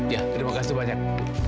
ya terima kasih banyak